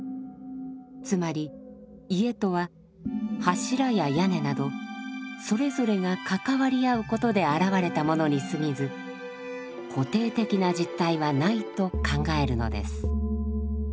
つまり家とは柱や屋根などそれぞれが関わり合うことで現れたものにすぎず固定的な実体はないと考えるのです。